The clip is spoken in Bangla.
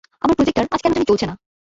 আমার প্রজেক্টার, আজ কেন জানি চলেছে না।